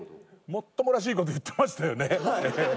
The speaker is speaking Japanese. もっともらしい事言ってましたよね。